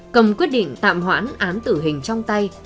cầm quyết định tạm hoãn án tử hình trong tay